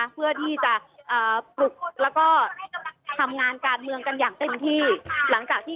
หรือว่าทำกิจกรรมของภักดิ์อนาคตใหม่